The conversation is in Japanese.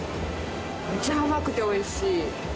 めちゃ甘くて美味しい。